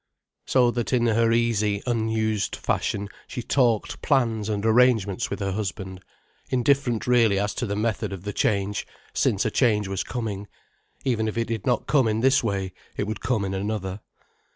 So that in her easy, unused fashion she talked plans and arrangements with her husband, indifferent really as to the method of the change, since a change was coming; even if it did not come in this way it would come in another.